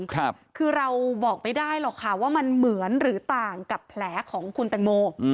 คือเราบอกไม่ได้หรอกค่ะว่ามันเหมือนหรือต่างกับแผลของคุณแตงโม